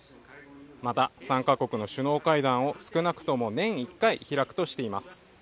また、３か国の首脳会談を少なくとも年１回開くとしています